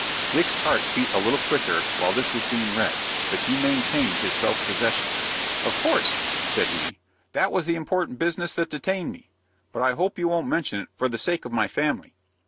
'" Dick's heart beat a little quicker while this was being read, but he maintained his self possession. "Of course," said he, "that was the important business that detained me. But I hope you won't mention it, for the sake of my family."